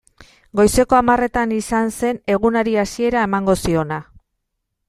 Goizeko hamarretan izan zen egunari hasiera emango ziona.